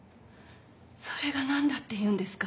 それが何だっていうんですか。